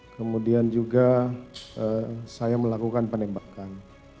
kemudian juga saya melakukan penembakan